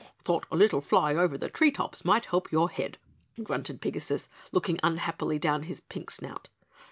"Thought a little fly over the tree tops might help your head," grunted Pigasus, looking unhappily down his pink snout.